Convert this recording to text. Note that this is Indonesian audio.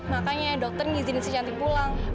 makanya dokter mengizin si cantik pulang